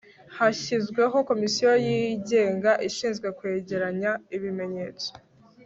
hashyizweho komisiyo yigenga ishinzwe kwegeranya ibimenyetso